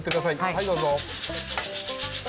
はい、どうぞ。